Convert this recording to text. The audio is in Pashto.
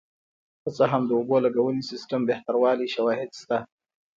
که څه هم د اوبو لګونې سیستم بهتروالی شواهد شته